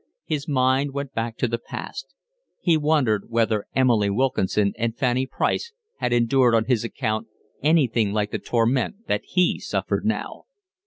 His mind went back to the past. He wondered whether Emily Wilkinson and Fanny Price had endured on his account anything like the torment that he suffered now.